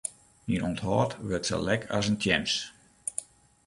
Myn ûnthâld wurdt sa lek as in tjems.